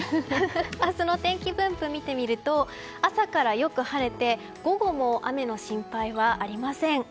明日の天気分布を見てみると朝からよく晴れて午後も雨の心配はありません。